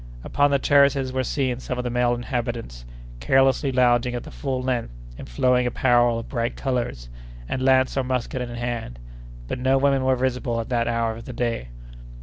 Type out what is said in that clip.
Upon the terraces were seen some of the male inhabitants, carelessly lounging at full length in flowing apparel of bright colors, and lance or musket in hand; but no women were visible at that hour of the day.